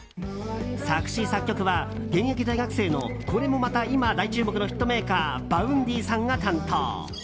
作詞・作曲は現役大学生のこれもまた今大注目のヒットメーカーＶａｕｎｄｙさんが担当。